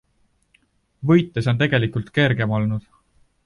Võites on tegelikult kergem olnud.